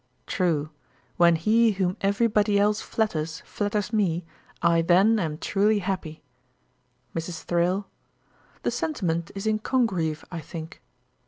'True. When he whom every body else flatters, flatters me, I then am truely happy.' MRS. THRALE. 'The sentiment is in Congreve, I think.'